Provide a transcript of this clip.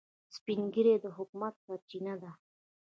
سپین ږیری د حکمت سرچینه ده